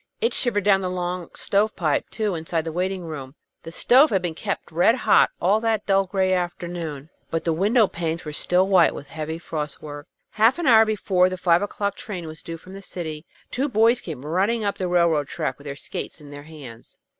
It shivered down the long stovepipe, too, inside the waiting room. The stove had been kept red hot all that dull gray afternoon, but the window panes were still white with heavy frost work. Half an hour before the five o'clock train was due from the city, two boys came running up the railroad track with their skates in their hands.